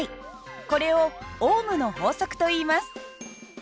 これをオームの法則といいます。